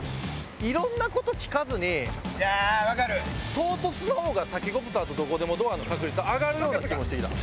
唐突の方がタケコプターとどこでもドアの確率上がるような気もしてきた。